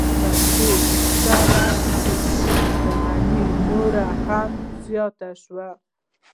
په دې سره د دوی شتمنۍ نورې هم زیاتې شوې